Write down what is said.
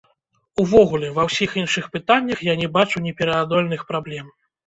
Увогуле, ва ўсіх іншых пытаннях я не бачу непераадольных праблем.